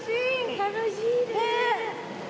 楽しいね。